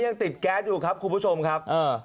ยังติดแก๊สอยู่ครับคุณผู้ชมครับ